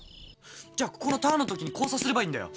じゃここのターンのときに交差すればいいんだよ。